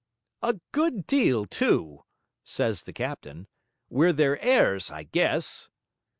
'A good deal, too,' says the captain. 'We're their heirs, I guess.'